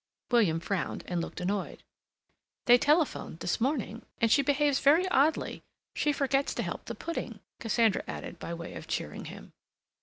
William frowned, and looked annoyed. "They telephoned this morning, and she behaves very oddly. She forgets to help the pudding," Cassandra added by way of cheering him.